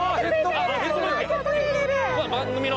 番組の。